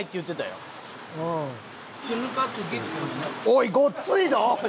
おいごっついど！？